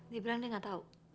dia bilang dia nggak tahu